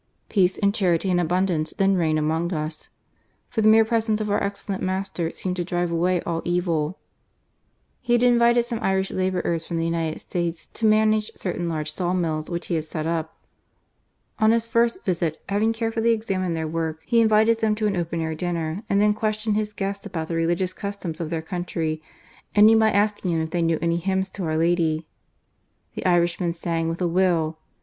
Peace and charity and abundance then reigned ; GARCIA MORENO. B— (DF US ; for the mere presence of our excellent *■ seemed to drive away all evil," had invited some Irish labourers from the !d States to manage certain large saw mills which he had set up. On his first visit, having carefully examined their work, he invited them to an open air dinner, and then questioned his guests about the religious customs of their country, ending by asking them if they knew any hymns to our Lady ? The Irishmen sang with a will.